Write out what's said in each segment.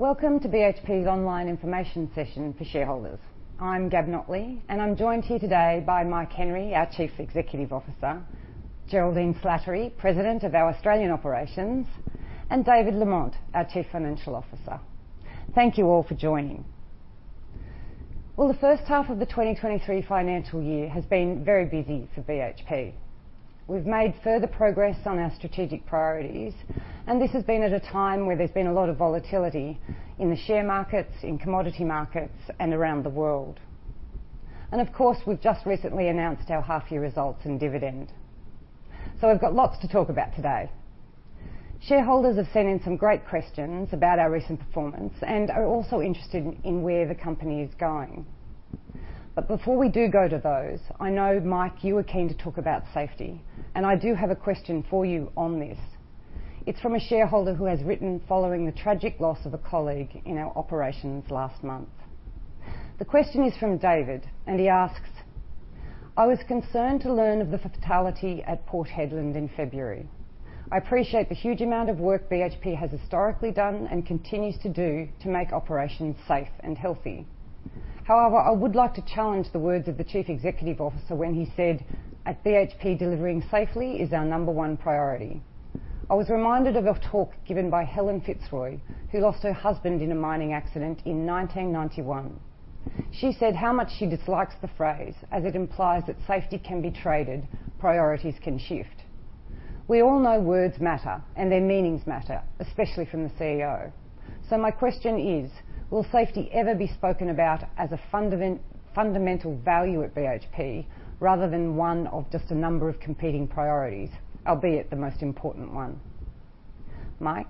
Welcome to BHP's online information session for shareholders. I'm Gabrielle Notley, and I'm joined here today by Mike Henry, our Chief Executive Officer, Geraldine Slattery, President of our Australian Operations, and David Lamont, our Chief Financial Officer. Thank you all for joining. Well, the first half of the 2023 financial year has been very busy for BHP. We've made further progress on our strategic priorities. This has been at a time where there's been a lot of volatility in the share markets, in commodity markets, and around the world. Of course, we've just recently announced our half-year results and dividend. We've got lots to talk about today. Shareholders have sent in some great questions about our recent performance and are also interested in where the company is going. Before we do go to those, I know, Mike, you were keen to talk about safety, and I do have a question for you on this. It's from a shareholder who has written following the tragic loss of a colleague in our operations last month. The question is from David, and he asks, "I was concerned to learn of the fatality at Port Hedland in February. I appreciate the huge amount of work BHP has historically done and continues to do to make operations safe and healthy. However, I would like to challenge the words of the Chief Executive Officer when he said, 'At BHP, delivering safely is our number one priority.' I was reminded of a talk given by Helen Fitzroy, who lost her husband in a mining accident in 1991. She said how much she dislikes the phrase as it implies that safety can be traded, priorities can shift. We all know words matter and their meanings matter, especially from the CEO. My question is, will safety ever be spoken about as a fundamental value at BHP rather than one of just a number of competing priorities, albeit the most important one? Mike.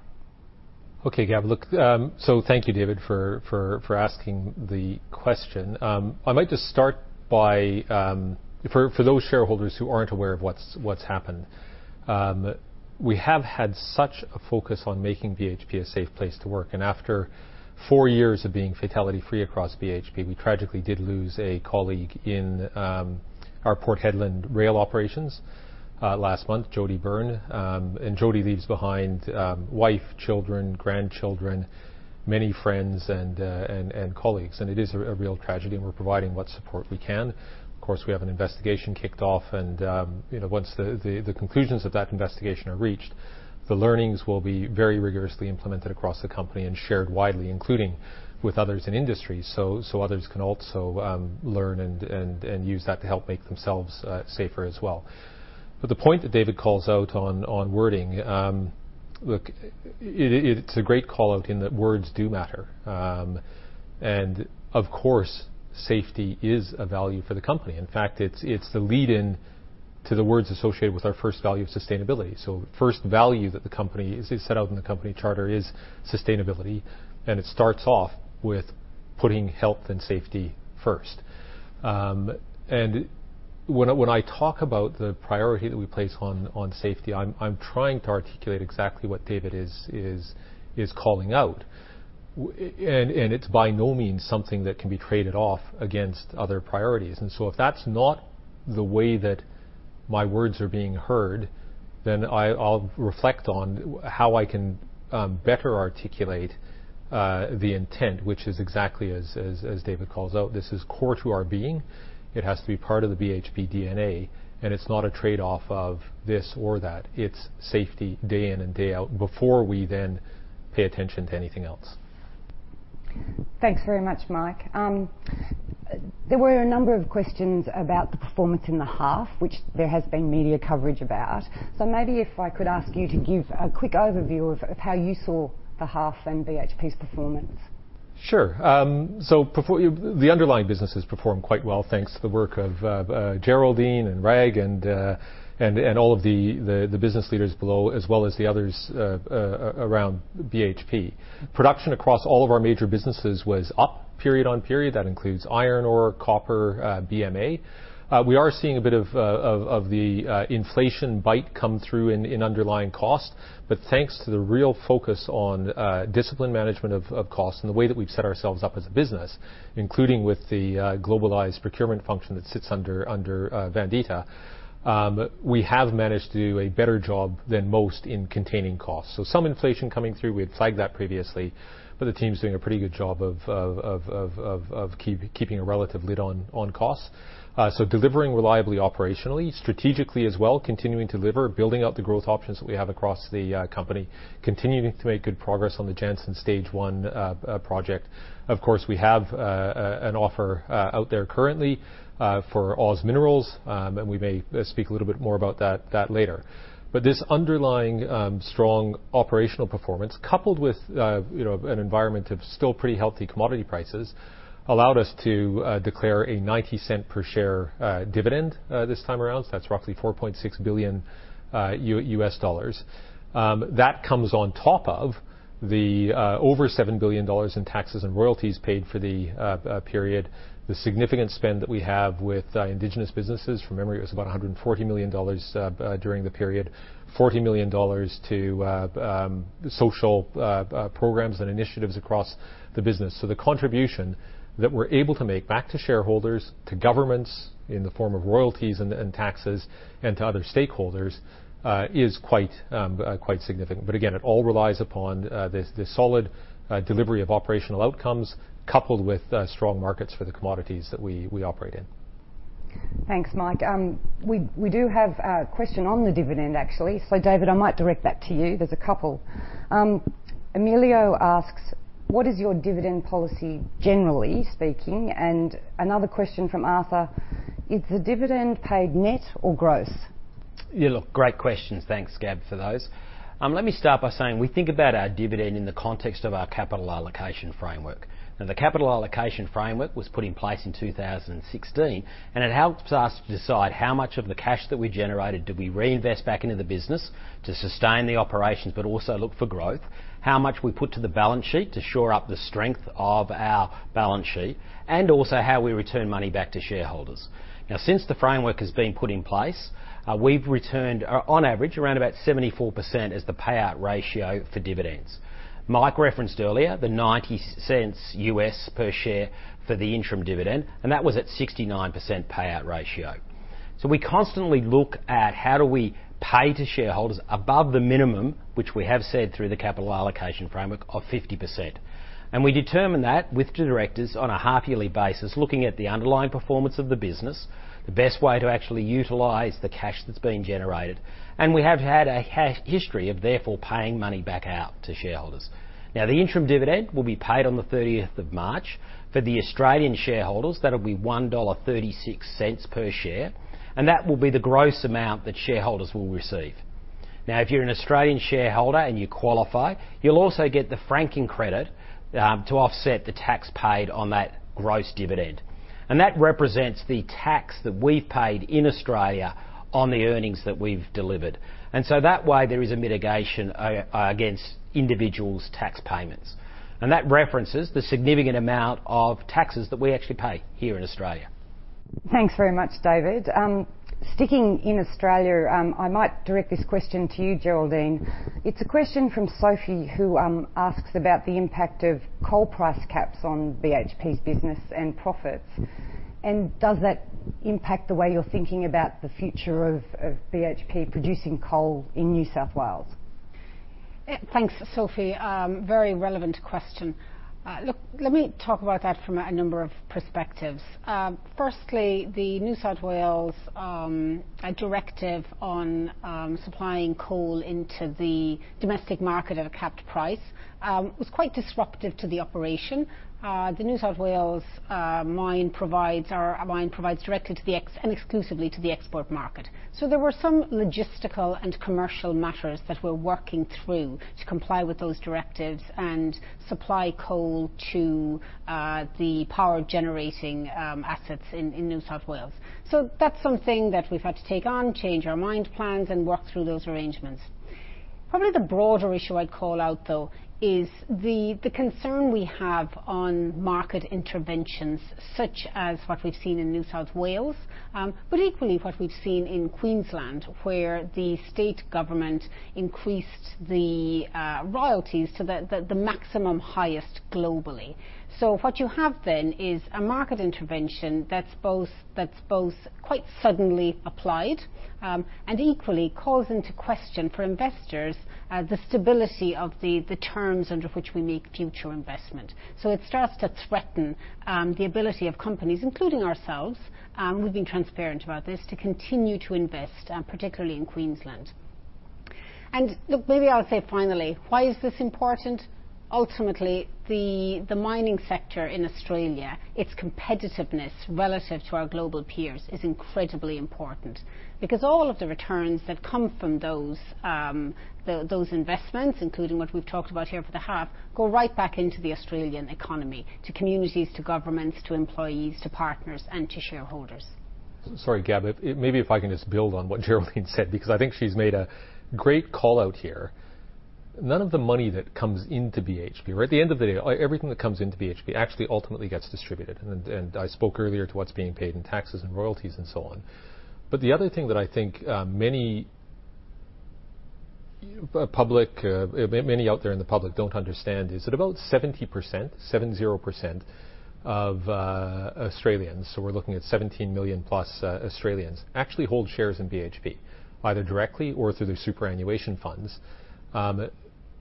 Okay. Gab, look, thank you, David for asking the question. I might just start by for those shareholders who aren't aware of what's happened. We have had such a focus on making BHP a safe place to work. After four years of being fatality-free across BHP, we tragically did lose a colleague in our Port Hedland rail operations last month, Jody Byrne. Jody leaves behind wife, children, grandchildren, many friends and colleagues. It is a real tragedy, and we're providing what support we can. Of course, we have an investigation kicked off and, you know, once the conclusions of that investigation are reached, the learnings will be very rigorously implemented across the company and shared widely, including with others in industry, so others can also learn and use that to help make themselves safer as well. The point that David calls out on wording, look, it's a great call-out in that words do matter. And of course, safety is a value for the company. In fact, it's the lead-in to the words associated with our first value of sustainability. First value that the company is set out in the company charter is sustainability, and it starts off with putting health and safety first. When I talk about the priority that we place on safety, I'm trying to articulate exactly what David is calling out. And it's by no means something that can be traded off against other priorities. If that's not the way that my words are being heard, then I'll reflect on how I can better articulate the intent, which is exactly as David calls out. This is core to our being. It has to be part of the BHP DNA. It's not a trade-off of this or that. It's safety day in and day out before we then pay attention to anything else. Thanks very much, Mike. There were a number of questions about the performance in the half, which there has been media coverage about. Maybe if I could ask you to give a quick overview of how you saw the half in BHP's performance. Sure. The underlying businesses performed quite well thanks to the work of Geraldine and Rag and all of the business leaders below as well as the others around BHP. Production across all of our major businesses was up period on period. That includes iron ore, copper, BMA. We are seeing a bit of the inflation bite come through in underlying cost. Thanks to the real focus on discipline management of costs and the way that we've set ourselves up as a business, including with the globalized procurement function that sits under Vandita, we have managed to do a better job than most in containing costs. Some inflation coming through. We had flagged that previously. The team's doing a pretty good job of keeping a relative lid on costs. Delivering reliably operationally. Strategically as well, continuing to deliver, building out the growth options that we have across the company, continuing to make good progress on the Jansen Stage one project. Of course, we have an offer out there currently for OZ Minerals, and we may speak a little bit more about that later. This underlying strong operational performance, coupled with, you know, an environment of still pretty healthy commodity prices, allowed us to declare a $0.90 per share dividend this time around. That's roughly $4.6 billion. That comes on top of the over $7 billion in taxes and royalties paid for the period, the significant spend that we have with Indigenous businesses. From memory, it was about $140 million during the period. $40 million to social programs and initiatives across the business. The contribution that we're able to make back to shareholders, to governments in the form of royalties and taxes, and to other stakeholders, is quite significant. Again, it all relies upon the solid delivery of operational outcomes coupled with strong markets for the commodities that we operate in. Thanks, Mike. We do have a question on the dividend actually. David, I might direct that to you. There's a couple. Emilio asks, "What is your dividend policy, generally speaking?" Another question from Arthur, "Is the dividend paid net or gross? Look, great questions. Thanks Gab, for those. Let me start by saying we think about our dividend in the context of our Capital Allocation Framework. The Capital Allocation Framework was put in place in 2016, and it helps us to decide how much of the cash that we generated do we reinvest back into the business to sustain the operations, but also look for growth, how much we put to the balance sheet to shore up the strength of our balance sheet, and also how we return money back to shareholders. Since the framework has been put in place, we've returned on average around about 74% as the payout ratio for dividends. Mike referenced earlier the $0.90 U.S. per share for the interim dividend, and that was at 69% payout ratio. We constantly look at how do we pay to shareholders above the minimum, which we have said through the Capital Allocation Framework of 50%. We determine that with the directors on a half-yearly basis, looking at the underlying performance of the business, the best way to actually utilize the cash that's been generated. We have had a history of therefore paying money back out to shareholders. The interim dividend will be paid on the thirtieth of March. For the Australian shareholders, that'll be 1.36 dollar per share, and that will be the gross amount that shareholders will receive. If you're an Australian shareholder and you qualify, you'll also get the franking credit to offset the tax paid on that gross dividend. That represents the tax that we've paid in Australia on the earnings that we've delivered. That way there is a mitigation against individuals' tax payments. That references the significant amount of taxes that we actually pay here in Australia. Thanks very much, David. Sticking in Australia, I might direct this question to you, Geraldine. It's a question from Sophie, who asks about the impact of coal price caps on BHP's business and profits, and does that impact the way you're thinking about the future of BHP producing coal in New South Wales? Thanks, Sophie. Very relevant question. Look, let me talk about that from a number of perspectives. Firstly, the New South Wales directive on supplying coal into the domestic market at a capped price was quite disruptive to the operation. The New South Wales mine provides, our mine provides directly to the exclusively to the export market. There were some logistical and commercial matters that we're working through to comply with those directives and supply coal to the power generating assets in New South Wales. That's something that we've had to take on, change our mine plans, and work through those arrangements. Probably the broader issue I'd call out, though, is the concern we have on market interventions such as what we've seen in New South Wales, but equally what we've seen in Queensland, where the state government increased the royalties to the maximum highest globally. What you have then is a market intervention that's both quite suddenly applied, and equally calls into question for investors, the stability of the terms under which we make future investment. It starts to threaten the ability of companies, including ourselves, we've been transparent about this, to continue to invest, particularly in Queensland. Look, maybe I'll say finally, why is this important? Ultimately, the mining sector in Australia, its competitiveness relative to our global peers is incredibly important because all of the returns that come from those investments, including what we've talked about here for the half, go right back into the Australian economy, to communities, to governments, to employees, to partners, and to shareholders. Sorry, Gab, maybe if I can just build on what Geraldine said, because I think she's made a great call-out here. None of the money that comes into BHP, right at the end of the day, everything that comes into BHP actually ultimately gets distributed. I spoke earlier to what's being paid in taxes and royalties and so on. The other thing that I think many public, many out there in the public don't understand is that about 70%, 70% of Australians, so we're looking at 17 million+ Australians, actually hold shares in BHP, either directly or through their superannuation funds.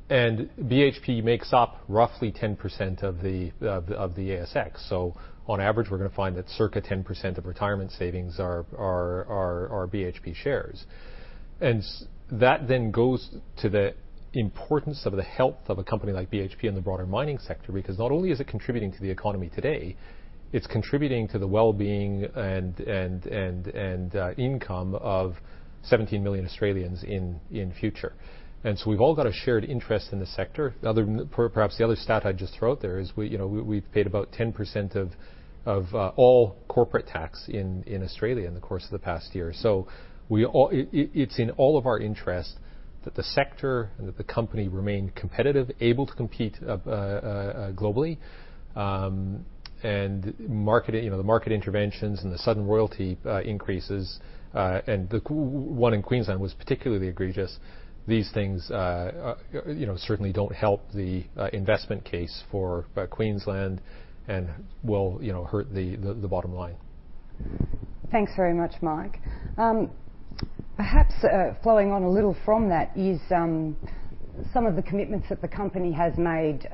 BHP makes up roughly 10% of the ASX. On average, we're gonna find that circa 10% of retirement savings are BHP shares. That then goes to the importance of the health of a company like BHP and the broader mining sector, because not only is it contributing to the economy today, it's contributing to the wellbeing and income of 17 million Australians in future. We've all got a shared interest in the sector. Other, perhaps the other stat I'd just throw out there is we, you know, we've paid about 10% of all corporate tax in Australia in the course of the past year. It's in all of our interest that the sector and that the company remain competitive, able to compete globally. Market, you know, the market interventions and the sudden royalty increases and the co-one in Queensland was particularly egregious. These things, you know, certainly don't help the investment case for Queensland and will, you know, hurt the bottom line. Thanks very much, Mike. Perhaps, following on a little from that is, some of the commitments that the company has made,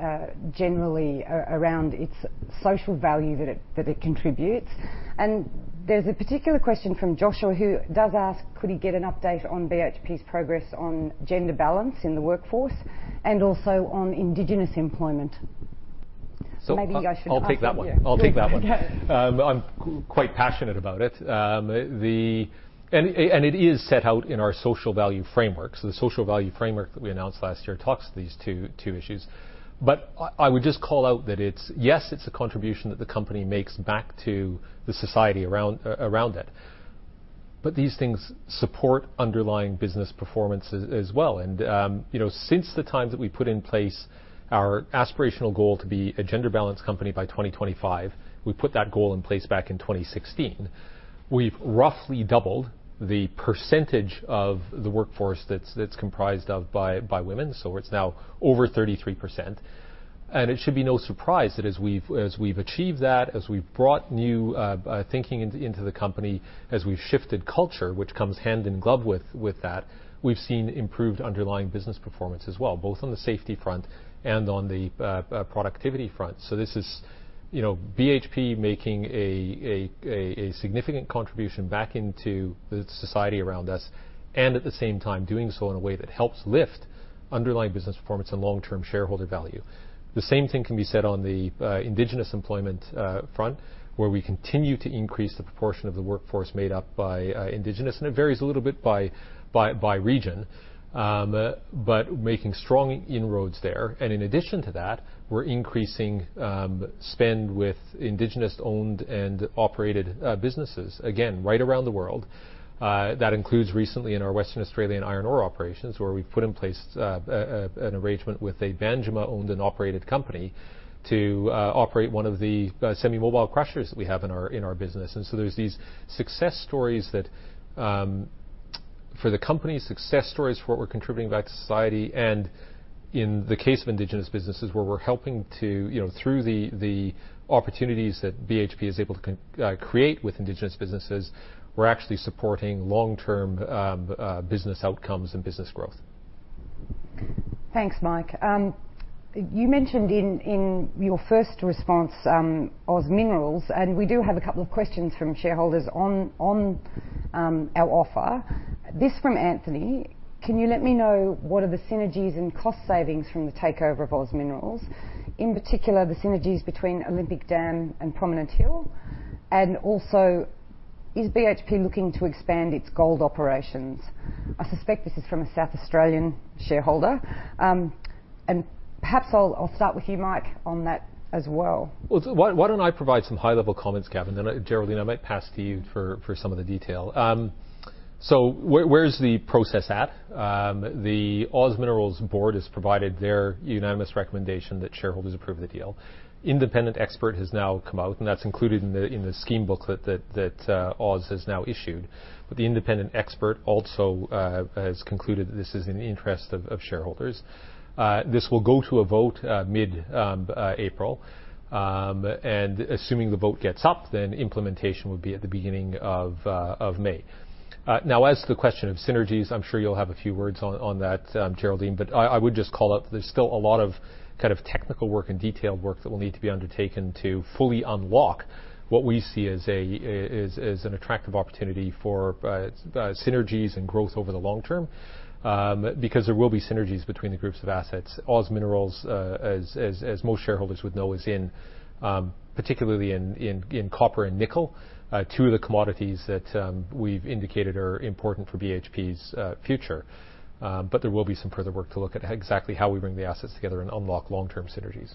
generally around its social value that it contributes. There's a particular question from Joshua, who does ask could he get an update on BHP's progress on gender balance in the workforce, and also on Indigenous employment. So Maybe I should pass on to you. I'll take that one. I'll take that one. Yeah. I'm quite passionate about it. It is set out in our social value framework. The social value framework that we announced last year talks to these two issues. I would just call out that it's, yes, it's a contribution that the company makes back to the society around it. These things support underlying business performance as well. You know, since the time that we put in place our aspirational goal to be a gender balance company by 2025, we put that goal in place back in 2016. We've roughly doubled the percentage of the workforce that's comprised of by women. It's now over 33%. It should be no surprise that as we've achieved that, as we've brought new thinking into the company, as we've shifted culture, which comes hand in glove with that, we've seen improved underlying business performance as well, both on the safety front and on the productivity front. This is, you know, BHP making a significant contribution back into the society around us, and at the same time, doing so in a way that helps lift underlying business performance and long-term shareholder value. The same thing can be said on the Indigenous employment front, where we continue to increase the proportion of the workforce made up by Indigenous, and it varies a little bit by region. Making strong inroads there. In addition to that, we're increasing spend with Indigenous-owned and operated businesses, again, right around the world. That includes recently in our Western Australian iron ore operations, where we've put in place an arrangement with a Banjima-owned and operated company to operate one of the semi-mobile crushers that we have in our business. There's these success stories that for the company, success stories for what we're contributing back to society. In the case of Indigenous businesses, where we're helping to, you know, through the opportunities that BHP is able to create with Indigenous businesses, we're actually supporting long-term business outcomes and business growth. Thanks, Mike. You mentioned in your first response, OZ Minerals. We do have a couple of questions from shareholders on our offer. This from Anthony: Can you let me know what are the synergies and cost savings from the takeover of OZ Minerals, in particular, the synergies between Olympic Dam and Prominent Hill? Also, is BHP looking to expand its gold operations? I suspect this is from a South Australian shareholder. Perhaps I'll start with you, Mike, on that as well. Why don't I provide some high-level comments, Gab? Geraldine, I might pass to you for some of the detail. Where's the process at? The OZ Minerals board has provided their unanimous recommendation that shareholders approve the deal. Independent expert has now come out, that's included in the scheme booklet that OZ has now issued. The independent expert also has concluded that this is in the interest of shareholders. This will go to a vote mid-April. Assuming the vote gets up, implementation would be at the beginning of May. Now, as to the question of synergies, I'm sure you'll have a few words on that, Geraldine, but I would just call out there's still a lot of kind of technical work and detailed work that will need to be undertaken to fully unlock what we see as an attractive opportunity for synergies and growth over the long term. There will be synergies between the groups of assets. OZ Minerals, as most shareholders would know, is in particularly in copper and nickel, two of the commodities that we've indicated are important for BHP's future. There will be some further work to look at exactly how we bring the assets together and unlock long-term synergies.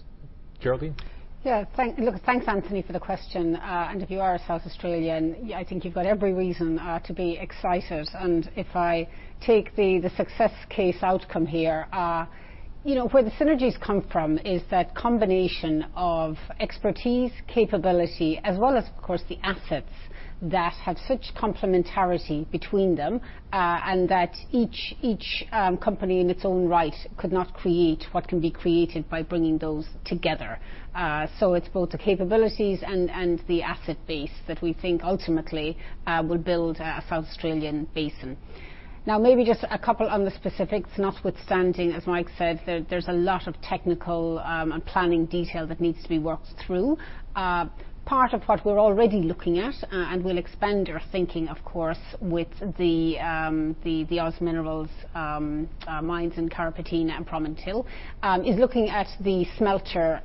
Geraldine? Look, thanks, Anthony, for the question. If you are a South Australian, I think you've got every reason to be excited. If I take the success case outcome here, you know, where the synergies come from is that combination of expertise, capability, as well as, of course, the assets that have such complementarity between them, and that each company in its own right could not create what can be created by bringing those together. It's both the capabilities and the asset base that we think ultimately will build a South Australian basin. Maybe just a couple on the specifics, notwithstanding, as Mike said, there's a lot of technical and planning detail that needs to be worked through. Part of what we're already looking at, and we'll expand our thinking, of course, with the the OZ Minerals mines in Carrapateena and Prominent Hill, is looking at the smelter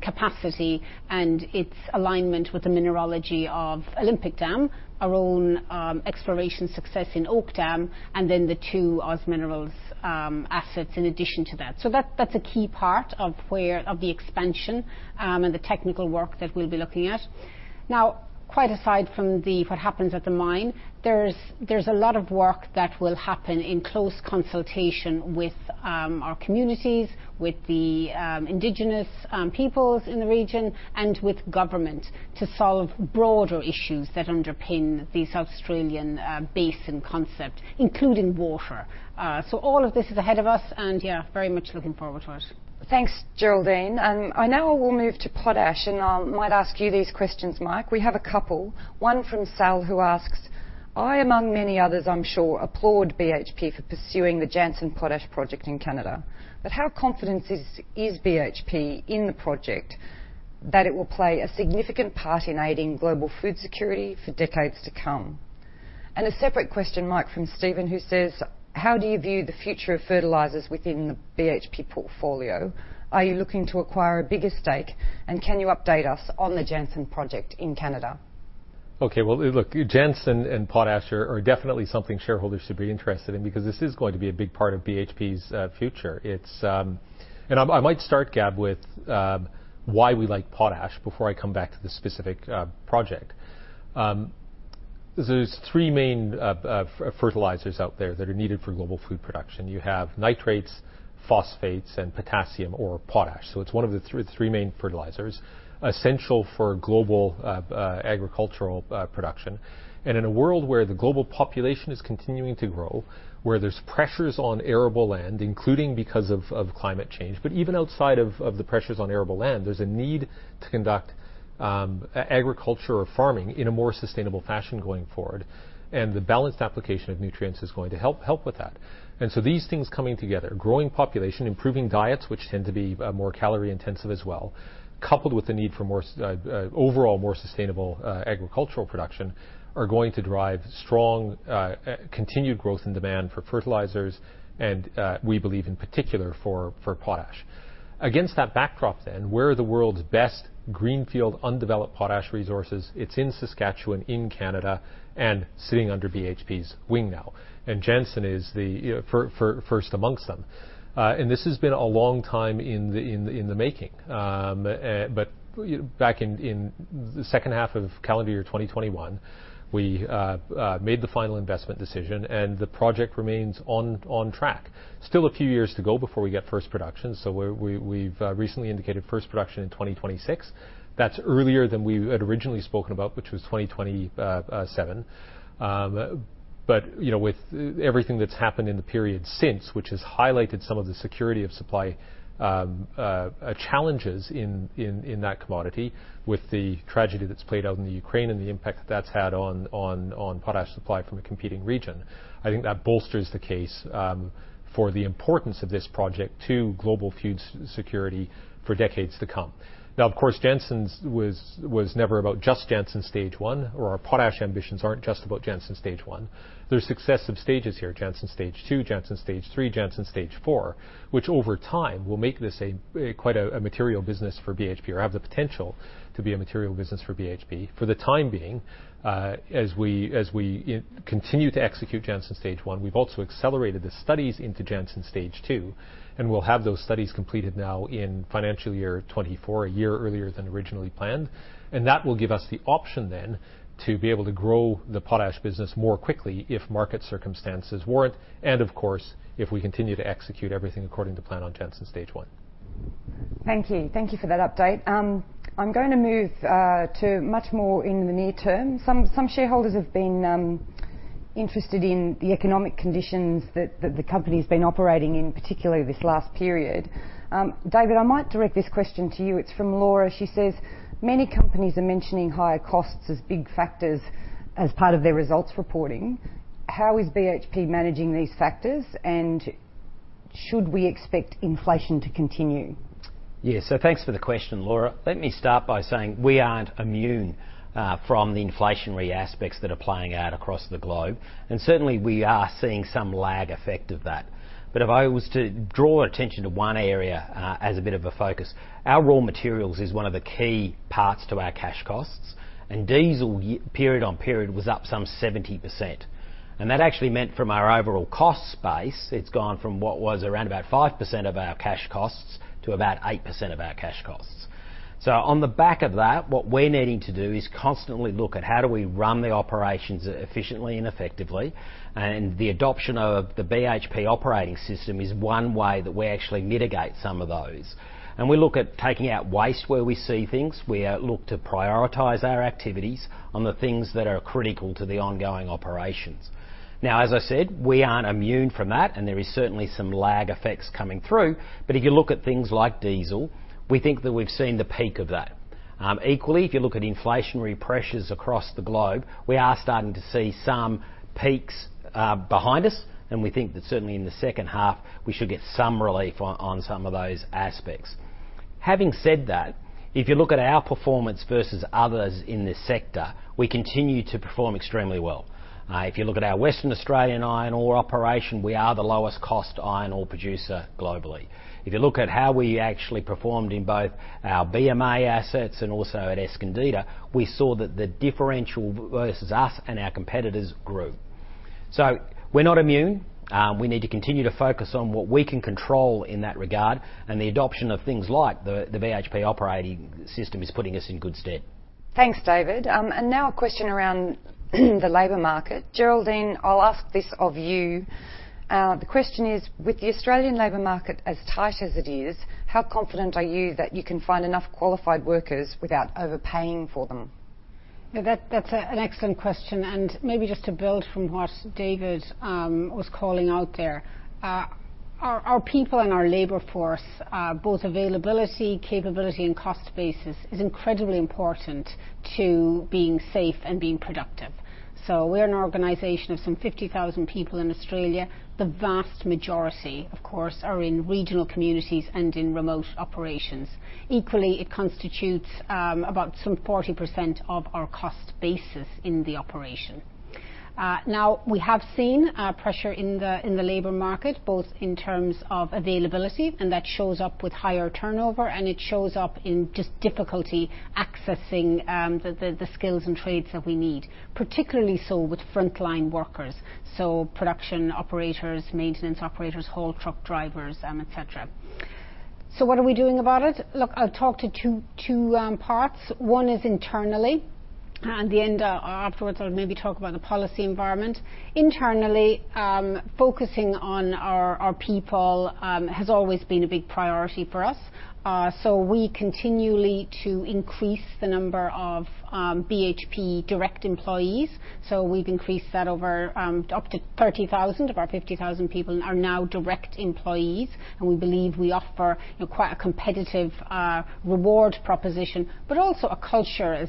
capacity and its alignment with the mineralogy of Olympic Dam, our own exploration success in Oak Dam, and then the two OZ Minerals assets in addition to that. That's a key part of the expansion and the technical work that we'll be looking at. Now, quite aside from what happens at the mine, there's a lot of work that will happen in close consultation with our communities, with the Indigenous peoples in the region and with government to solve broader issues that underpin the South Australian basin concept, including water. All of this is ahead of us, and yeah, very much looking forward to it. Thanks, Geraldine. I now will move to potash, and I'll might ask you these questions, Mike. We have a couple, one from Sal, who asks, "I, among many others, I'm sure, applaud BHP for pursuing the Jansen Potash Project in Canada. How confident is BHP in the project? That it will play a significant part in aiding global food security for decades to come." A separate question, Mike, from Steven, who says, "How do you view the future of fertilizers within the BHP portfolio? Are you looking to acquire a bigger stake, and can you update us on the Jansen Project in Canada? Okay. Well, look, Jansen and potash are definitely something shareholders should be interested in because this is going to be a big part of BHP's future. It's. I might start, Gab, with why we like potash before I come back to the specific project. There's three main fertilizers out there that are needed for global food production. You have nitrates, phosphates and potassium or potash. It's one of the three main fertilizers, essential for global agricultural production. In a world where the global population is continuing to grow, where there's pressures on arable land, including because of climate change, but even outside of the pressures on arable land, there's a need to conduct agriculture or farming in a more sustainable fashion going forward. The balanced application of nutrients is going to help with that. These things coming together, growing population, improving diets, which tend to be more calorie-intensive as well, coupled with the need for more overall more sustainable agricultural production, are going to drive strong continued growth and demand for fertilizers and we believe in particular for potash. Against that backdrop then, where are the world's best greenfield undeveloped potash resources? It's in Saskatchewan, in Canada, and sitting under BHP's wing now. Jansen is the first amongst them. This has been a long time in the making. Back in the second half of calendar year 2021, we made the final investment decision and the project remains on track. Still a few years to go before we get first production. We've recently indicated first production in 2026. That's earlier than we had originally spoken about, which was 2027. You know, with everything that's happened in the period since, which has highlighted some of the security of supply challenges in that commodity with the tragedy that's played out in the Ukraine and the impact that that's had on potash supply from a competing region. I think that bolsters the case for the importance of this project to global food security for decades to come. Of course, Jansen's was never about just Jansen Stage 1, or our potash ambitions aren't just about Jansen Stage 1. There's successive stages here, Jansen Stage 2, Jansen Stage 3, Jansen Stage 4, which over time will make this a, quite a material business for BHP or have the potential to be a material business for BHP. For the time being, as we continue to execute Jansen Stage 1, we've also accelerated the studies into Jansen Stage 2, and we'll have those studies completed now in financial year 2024, a year earlier than originally planned. That will give us the option then to be able to grow the potash business more quickly if market circumstances warrant, and of course, if we continue to execute everything according to plan on Jansen Stage 1. Thank you. Thank you for that update. I'm going to move to much more in the near term. Some shareholders have been interested in the economic conditions that the company's been operating in, particularly this last period. David, I might direct this question to you. It's from Laura. She says, "Many companies are mentioning higher costs as big factors as part of their results reporting. How is BHP managing these factors, and should we expect inflation to continue? Yeah. Thanks for the question, Laura. Let me start by saying we aren't immune from the inflationary aspects that are playing out across the globe. Certainly, we are seeing some lag effect of that. If I was to draw attention to one area, as a bit of a focus, our raw materials is one of the key parts to our cash costs. Diesel period on period was up some 70%. That actually meant from our overall cost base, it's gone from what was around about 5% of our cash costs to about 8% of our cash costs. On the back of that, what we're needing to do is constantly look at how do we run the operations efficiently and effectively. The adoption of the BHP Operating System is one way that we actually mitigate some of those. We look at taking out waste where we see things. We look to prioritize our activities on the things that are critical to the ongoing operations. Now, as I said, we aren't immune from that, and there is certainly some lag effects coming through. If you look at things like diesel, we think that we've seen the peak of that. Equally, if you look at inflationary pressures across the globe, we are starting to see some peaks behind us, and we think that certainly in the second half we should get some relief on some of those aspects. Having said that, if you look at our performance versus others in this sector, we continue to perform extremely well. If you look at our Western Australian iron ore operation, we are the lowest cost iron ore producer globally. If you look at how we actually performed in both our BMA assets and also at Escondida, we saw that the differential versus us and our competitors grew. We're not immune. We need to continue to focus on what we can control in that regard, and the adoption of things like the BHP Operating System is putting us in good stead. Thanks, David. Now a question around the labor market. Geraldine, I'll ask this of you. The question is: With the Australian labor market as tight as it is, how confident are you that you can find enough qualified workers without overpaying for them? Yeah, that's an excellent question. Maybe just to build from what David was calling out there. Our people and our labor force are both availability, capability, and cost basis is incredibly important to being safe and being productive. We're an organization of some 50,000 people in Australia. The vast majority, of course, are in regional communities and in remote operations. Equally, it constitutes about some 40% of our cost basis in the operation. Now, we have seen pressure in the labor market, both in terms of availability, and that shows up with higher turnover, and it shows up in just difficulty accessing the skills and trades that we need, particularly so with frontline workers, so production operators, maintenance operators, haul truck drivers, et cetera. What are we doing about it? Look, I'll talk to two parts. One is internally. At the end, afterwards, I'll maybe talk about the policy environment. Internally, focusing on our people has always been a big priority for us. We continually to increase the number of BHP direct employees. We've increased that over up to 30,000 of our 50,000 people are now direct employees, and we believe we offer, you know, quite a competitive reward proposition, but also a culture, as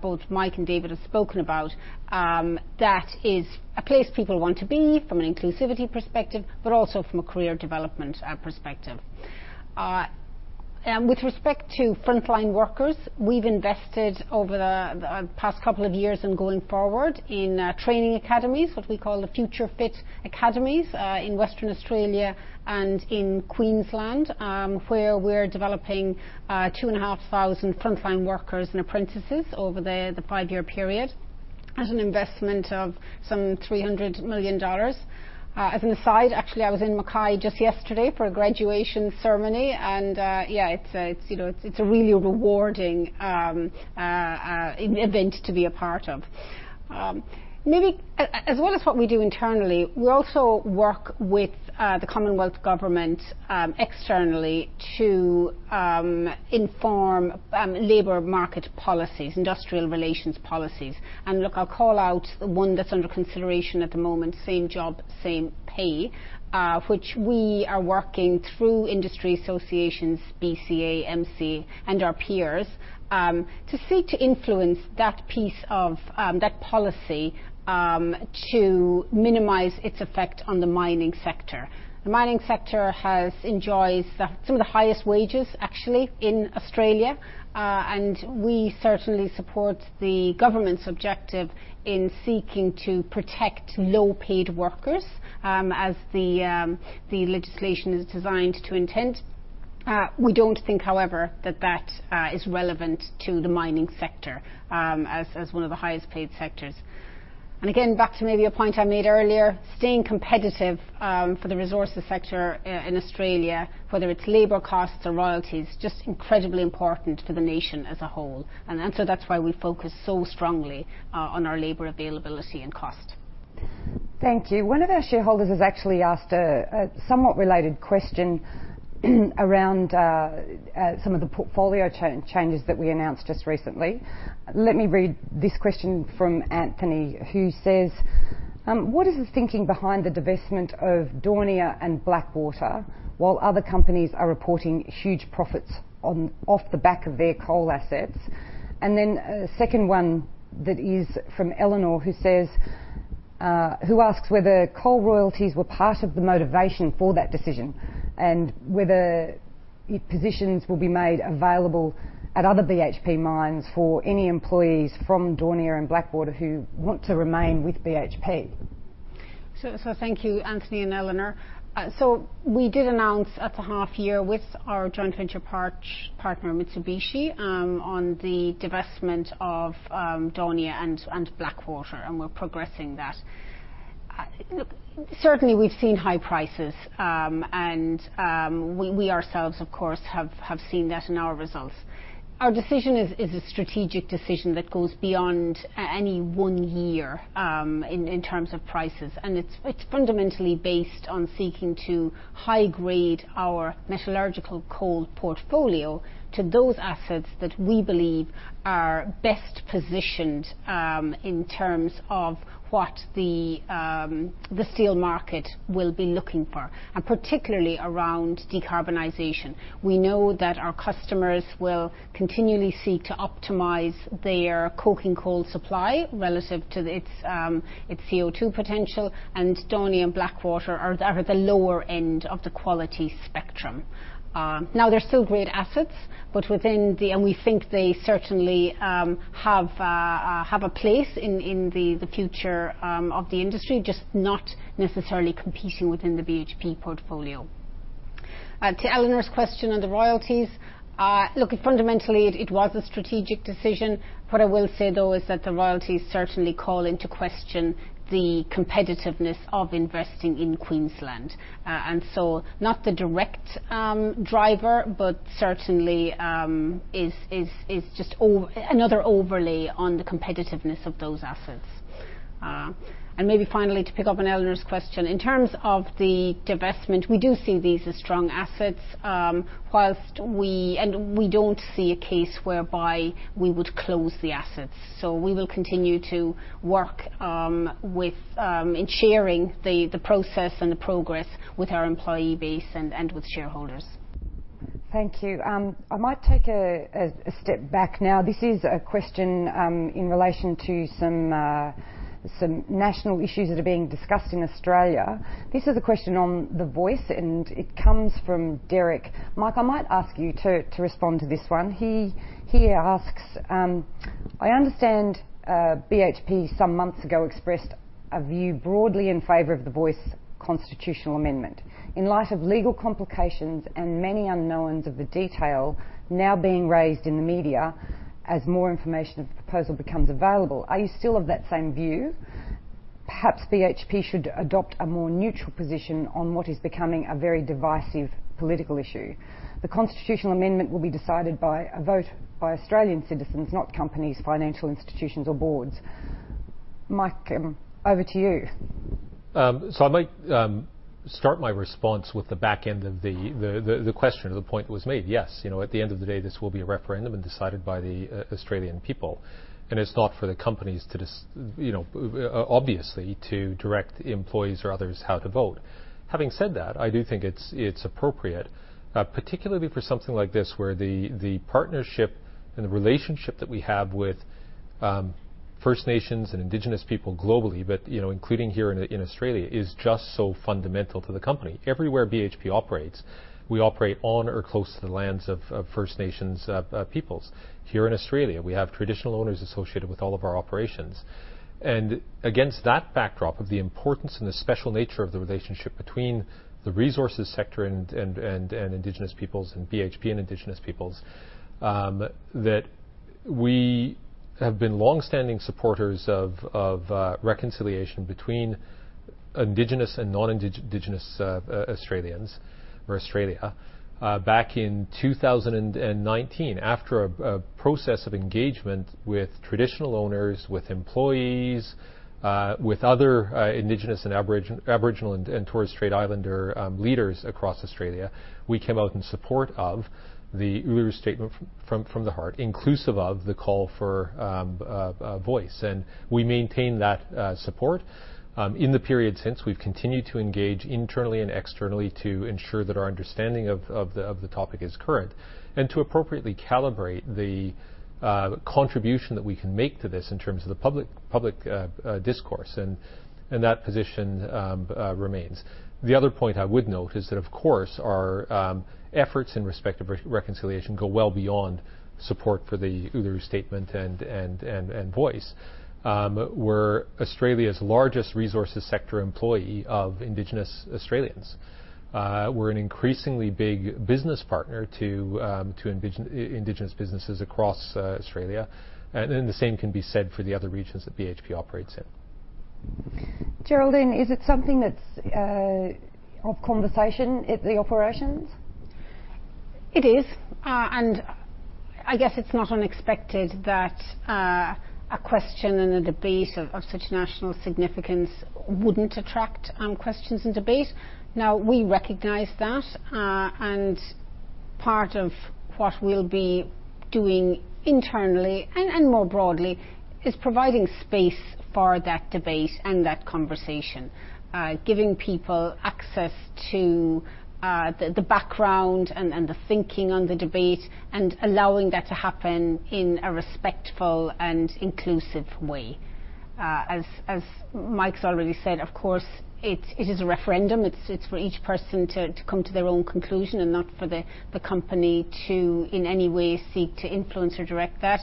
both Mike and David have spoken about, that is a place people want to be from an inclusivity perspective, but also from a career development perspective. With respect to frontline workers, we've invested over the past couple of years and going forward in training academies, what we call the FutureFit Academies, in Western Australia and in Queensland, where we're developing 2,500 frontline workers and apprentices over the five-year period at an investment of some $300 million. As an aside, actually, I was in Mackay just yesterday for a graduation ceremony, and, yeah, it's, you know, it's a really rewarding event to be a part of. Maybe as well as what we do internally, we also work with the Commonwealth Government externally to inform labor market policies, industrial relations policies. Look, I'll call out one that's under consideration at the moment, Same Job, Same Pay, which we are working through industry associations, BCA, MC, and our peers, to seek to influence that piece of that policy, to minimize its effect on the mining sector. The mining sector enjoys some of the highest wages actually in Australia, and we certainly support the government's objective in seeking to protect low-paid workers, as the legislation is designed to intend. We don't think, however, that that is relevant to the mining sector, as one of the highest paid sectors. Again, back to maybe a point I made earlier, staying competitive, for the resources sector in Australia, whether it's labor costs or royalties, just incredibly important for the nation as a whole. That's why we focus so strongly on our labor availability and cost. Thank you. One of our shareholders has actually asked a somewhat related question around some of the portfolio changes that we announced just recently. Let me read this question from Anthony, who says, "What is the thinking behind the divestment of Daunia and Blackwater while other companies are reporting huge profits on off the back of their coal assets?" A second one that is from Eleanor, who says, who asks whether coal royalties were part of the motivation for that decision, and whether positions will be made available at other BHP mines for any employees from Daunia and Blackwater who want to remain with BHP. Thank you, Anthony and Eleanor. We did announce at the half year with our joint venture partner, Mitsubishi, on the divestment of Daunia and Blackwater, and we're progressing that. Look, certainly we've seen high prices, and we ourselves, of course, have seen that in our results. Our decision is a strategic decision that goes beyond any one year in terms of prices. It's fundamentally based on seeking to high grade our metallurgical coal portfolio to those assets that we believe are best positioned, in terms of what the steel market will be looking for, and particularly around decarbonization. We know that our customers will continually seek to optimize their coking coal supply relative to its CO2 potential, and Daunia and Blackwater are at the lower end of the quality spectrum. Now they're still great assets, but we think they certainly have a place in the future of the industry, just not necessarily competing within the BHP portfolio. To Eleanor's question on the royalties, look, fundamentally, it was a strategic decision. What I will say, though, is that the royalties certainly call into question the competitiveness of investing in Queensland. Not the direct driver, but certainly is just another overlay on the competitiveness of those assets. Maybe finally, to pick up on Eleanor's question, in terms of the divestment, we do see these as strong assets, whilst we don't see a case whereby we would close the assets. We will continue to work, with, in sharing the process and the progress with our employee base and with shareholders. Thank you. I might take a step back now. This is a question in relation to some national issues that are being discussed in Australia. This is a question on the Voice. It comes from Derrick. Mike, I might ask you to respond to this one. He asks, "I understand BHP some months ago expressed a view broadly in favor of the Voice constitutional amendment. In light of legal complications and many unknowns of the detail now being raised in the media as more information of the proposal becomes available, are you still of that same view? Perhaps BHP should adopt a more neutral position on what is becoming a very divisive political issue. The constitutional amendment will be decided by a vote by Australian citizens, not companies, financial institutions or boards." Mike, over to you. I might start my response with the back end of the question or the point that was made. Yes, you know, at the end of the day, this will be a referendum and decided by the Australian people, and it's not for the companies to, you know, obviously to direct the employees or others how to vote. Having said that, I do think it's appropriate, particularly for something like this, where the partnership and the relationship that we have with First Nations and indigenous people globally, but, you know, including here in Australia, is just so fundamental to the company. Everywhere BHP operates, we operate on or close to the lands of First Nations peoples. Here in Australia, we have traditional owners associated with all of our operations. Against that backdrop of the importance and the special nature of the relationship between the resources sector and Indigenous peoples and BHP and Indigenous peoples, that we have been longstanding supporters of reconciliation between Indigenous and non-Indigenous Australians or Australia. Back in 2019, after a process of engagement with Traditional Owners, with employees, with other Indigenous and Aboriginal and Torres Strait Islander leaders across Australia, we came out in support of the Uluru Statement from the Heart, inclusive of the call for Voice. We maintain that support. In the period since, we've continued to engage internally and externally to ensure that our understanding of the topic is current, and to appropriately calibrate the contribution that we can make to this in terms of the public discourse and that position remains. The other point I would note is that, of course, our efforts in respect of reconciliation go well beyond support for the Uluru Statement and Voice. We're Australia's largest resources sector employee of Indigenous Australians. We're an increasingly big business partner to Indigenous businesses across Australia, and then the same can be said for the other regions that BHP operates in. Geraldine, is it something that's of conversation at the operations? It is. I guess it's not unexpected that a question and a debate of such national significance wouldn't attract questions and debate. We recognize that, and part of what we'll be doing internally and more broadly is providing space for that debate and that conversation. Giving people access to the background and the thinking on the debate and allowing that to happen in a respectful and inclusive way. As Mike's already said, of course, it is a referendum. It's for each person to come to their own conclusion and not for the company to, in any way, seek to influence or direct that.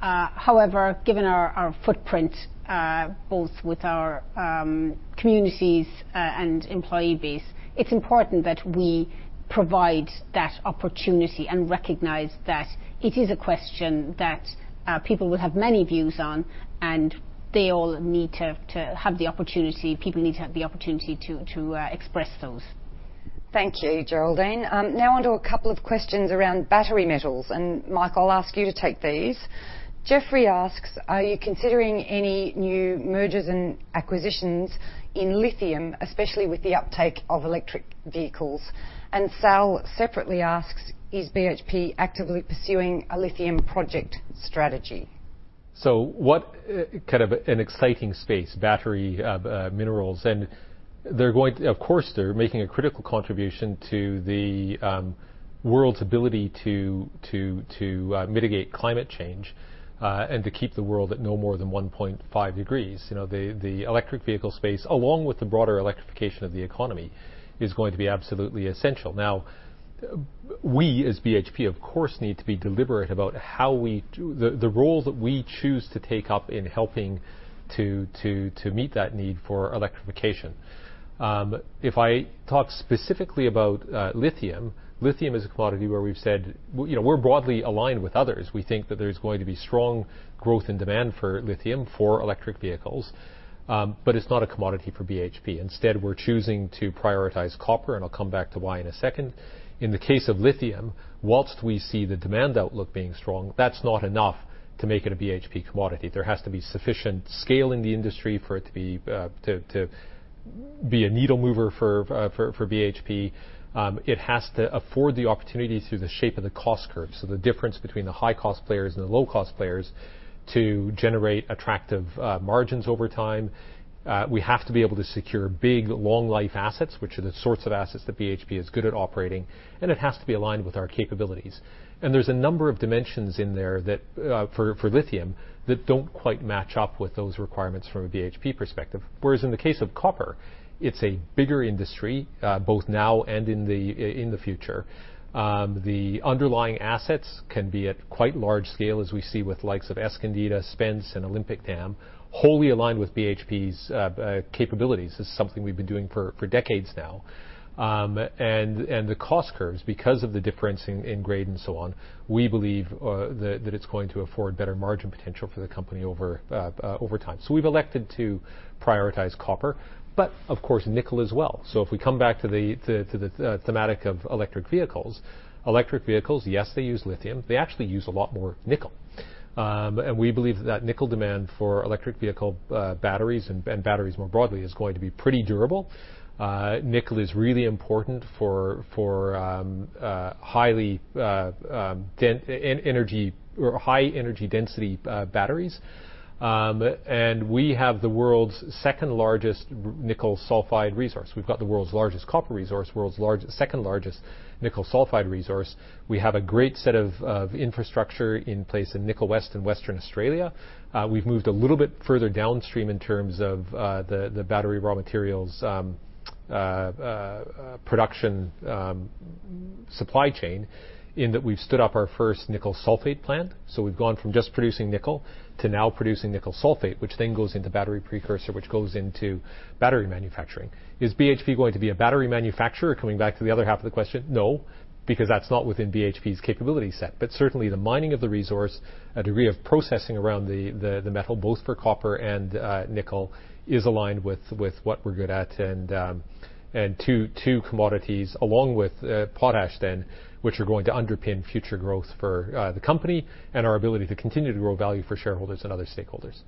However, given our footprint, both with our communities, and employee base, it's important that we provide that opportunity and recognize that it is a question that people will have many views on and people need to have the opportunity to express those. Thank you, Geraldine. Now onto a couple of questions around battery metals. Mike, I'll ask you to take these. Jeffrey asks, "Are you considering any new mergers and acquisitions in lithium, especially with the uptake of electric vehicles?" Sal separately asks, "Is BHP actively pursuing a lithium project strategy? What kind of an exciting space, battery minerals. Of course, they're making a critical contribution to the world's ability to mitigate climate change and to keep the world at no more than 1.5 degrees. You know, the electric vehicle space, along with the broader electrification of the economy, is going to be absolutely essential. Now, we as BHP, of course, need to be deliberate about the roles that we choose to take up in helping to meet that need for electrification. If I talk specifically about lithium is a commodity where we've said, you know, we're broadly aligned with others. We think that there's going to be strong growth and demand for lithium for electric vehicles, but it's not a commodity for BHP. Instead, we're choosing to prioritize copper, and I'll come back to why in a second. In the case of lithium, whilst we see the demand outlook being strong, that's not enough to make it a BHP commodity. There has to be sufficient scale in the industry for it to be a needle mover for BHP. It has to afford the opportunity through the shape of the cost curve. The difference between the high-cost players and the low-cost players to generate attractive margins over time. We have to be able to secure big, long life assets, which are the sorts of assets that BHP is good at operating, and it has to be aligned with our capabilities. There's a number of dimensions in there that, for lithium, that don't quite match up with those requirements from a BHP perspective. In the case of copper, it's a bigger industry, both now and in the future. The underlying assets can be at quite large scale, as we see with likes of Escondida, Spence, and Olympic Dam, wholly aligned with BHP's capabilities. This is something we've been doing for decades now. The cost curves, because of the difference in grade and so on, we believe that it's going to afford better margin potential for the company over over time. We've elected to prioritize copper, but of course, nickel as well. If we come back to the thematic of electric vehicles. Electric vehicles, yes, they use lithium. They actually use a lot more nickel. We believe that that nickel demand for electric vehicle batteries and batteries more broadly is going to be pretty durable. Nickel is really important for highly high energy density batteries. We have the world's second largest nickel sulfide resource. We've got the world's largest copper resource, world's second-largest nickel sulfide resource. We have a great set of infrastructure in place in Nickel West and Western Australia. We've moved a little bit further downstream in terms of the battery raw materials production supply chain in that we've stood up our first nickel sulfate plant. We've gone from just producing nickel to now producing nickel sulfate, which then goes into battery precursor, which goes into battery manufacturing. Is BHP going to be a battery manufacturer? Coming back to the other half of the question, no, because that's not within BHP's capability set. Certainly, the mining of the resource, a degree of processing around the metal, both for copper and nickel, is aligned with what we're good at. Two commodities along with potash then which are going to underpin future growth for the company and our ability to continue to grow value for shareholders and other stakeholders.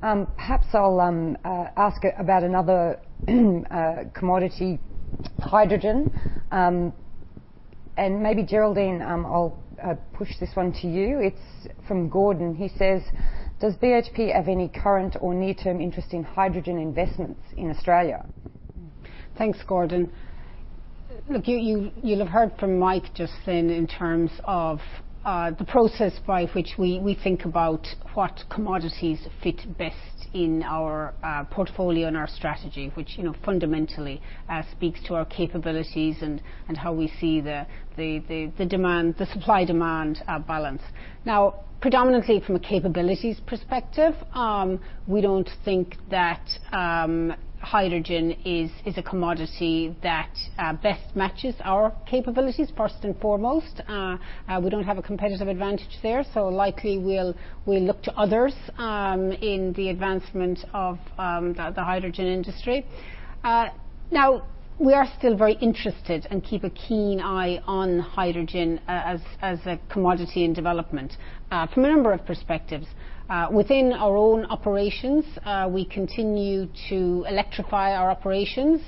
Perhaps I'll ask about another commodity, hydrogen. Maybe Geraldine, I'll push this one to you. It's from Gordon. He says, "Does BHP have any current or near-term interest in hydrogen investments in Australia? Thanks, Gordon. Look, you'll have heard from Mike just then in terms of the process by which we think about what commodities fit best in our portfolio and our strategy, which, you know, fundamentally speaks to our capabilities and how we see the demand, the supply-demand balance. Predominantly from a capabilities perspective, we don't think that hydrogen is a commodity that best matches our capabilities first and foremost. We don't have a competitive advantage there, so likely we'll look to others in the advancement of the hydrogen industry. We are still very interested and keep a keen eye on hydrogen as a commodity in development from a number of perspectivesd Within our own operations, we continue to electrify our operations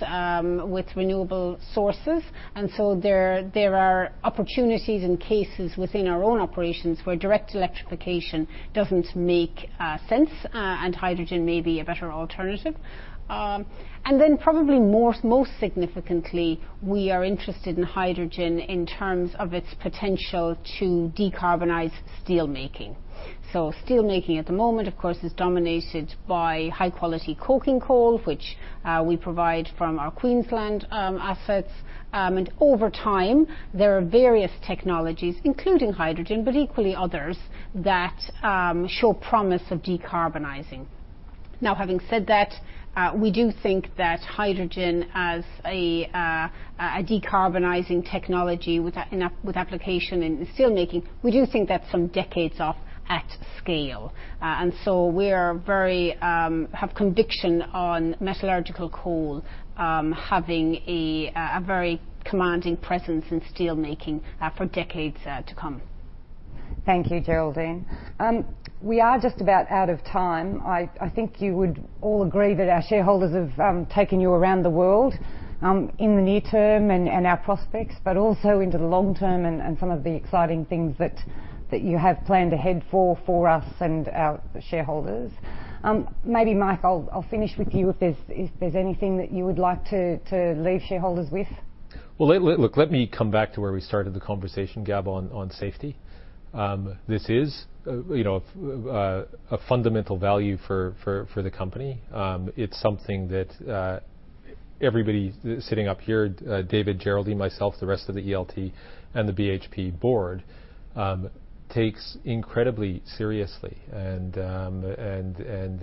with renewable sources. There are opportunities and cases within our own operations where direct electrification doesn't make sense, and hydrogen may be a better alternative. Most significantly, we are interested in hydrogen in terms of its potential to decarbonize steelmaking. Steelmaking at the moment, of course, is dominated by high-quality coking coal, which we provide from our Queensland assets. Over time, there are various technologies, including hydrogen, but equally others that show promise of decarbonizing. Having said that, we do think that hydrogen as a decarbonizing technology with application in steelmaking, we do think that's some decades off at scale. We are very, have conviction on metallurgical coal, having a very commanding presence in steel making for decades to come. Thank you, Geraldine. We are just about out of time. I think you would all agree that our shareholders have taken you around the world in the near term and our prospects, but also into the long term and some of the exciting things that you have planned ahead for us and our shareholders. Maybe Mike, I'll finish with you if there's anything that you would like to leave shareholders with. Well, look, let me come back to where we started the conversation, Gab, on safety. This is, you know, a fundamental value for the company. It's something that everybody sitting up here, David, Geraldine, myself, the rest of the ELT and the BHP board, takes incredibly seriously.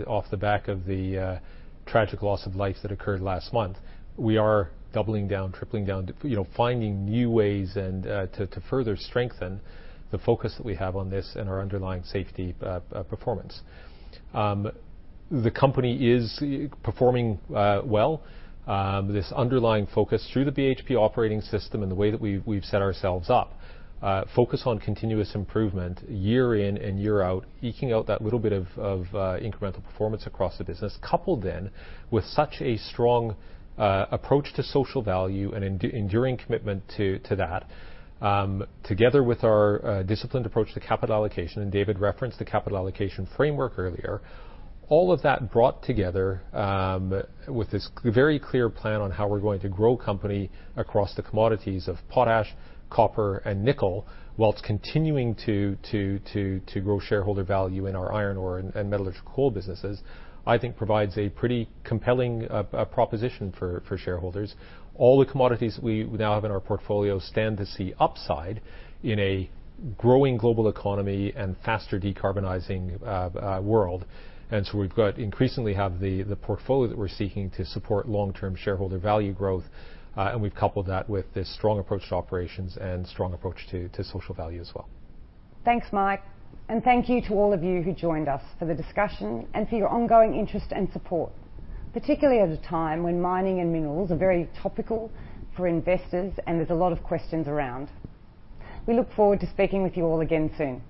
Off the back of the tragic loss of life that occurred last month, we are doubling down, tripling down, you know, finding new ways and to further strengthen the focus that we have on this and our underlying safety performance. The company is performing well. This underlying focus through the BHP Operating System and the way that we've set ourselves up, focus on continuous improvement year in and year out, eking out that little bit of incremental performance across the business. Coupled then with such a strong approach to social value and enduring commitment to that, together with our disciplined approach to capital allocation, and David referenced the Capital Allocation Framework earlier. All of that brought together with this very clear plan on how we're going to grow company across the commodities of potash, copper, and nickel, whilst continuing to grow shareholder value in our iron ore and metallurgical coal businesses, I think provides a pretty compelling proposition for shareholders. All the commodities that we now have in our portfolio stand to see upside in a growing global economy and faster decarbonizing world. We've increasingly have the portfolio that we're seeking to support long-term shareholder value growth, and we've coupled that with this strong approach to operations and strong approach to social value as well. Thanks, Mike. Thank you to all of you who joined us for the discussion and for your ongoing interest and support, particularly at a time when mining and minerals are very topical for investors and there's a lot of questions around. We look forward to speaking with you all again soon.